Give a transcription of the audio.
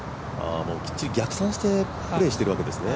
きっちり逆算してプレーしているわけなんですね。